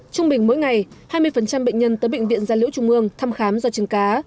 trung bình mỗi ngày hai mươi bệnh nhân tới bệnh viện gia liễu trung mương thăm khám do chứng cá